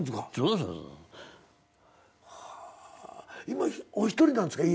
今お一人なんですか？